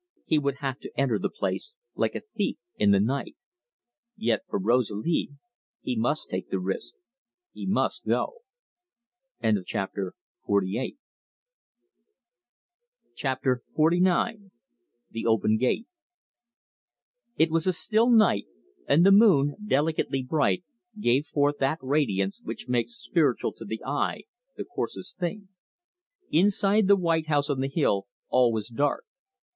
He would have to enter the place like a thief in the night. Yet for Rosalie he must take the risk he must go. CHAPTER XLIX. THE OPEN GATE It was a still night, and the moon, delicately bright, gave forth that radiance which makes spiritual to the eye the coarsest thing. Inside the white house on the hill all was dark.